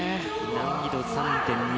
難易度３．２。